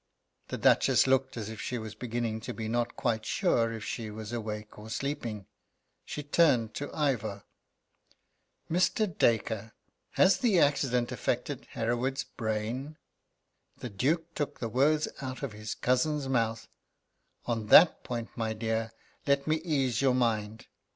The Duchess looked as if she was beginning to be not quite sure if she was awake or sleeping. She turned to Ivor: "Mr. Dacre, has the accident affected Hereward's brain?" The Duke took the words out of his cousin's mouth: "On that point, my dear, let me ease your mind.